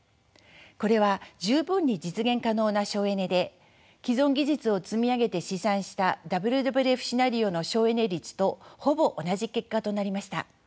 これは十分に実現可能な省エネで既存技術を積み上げて試算したＷＷＦシナリオの省エネ率とほぼ同じ結果となりました。